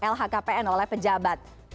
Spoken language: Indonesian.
lhkpn oleh pejabat